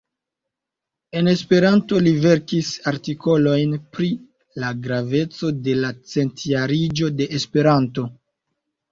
En Esperanto, li verkis artikolojn pri la graveco de la Centjariĝo de Esperanto.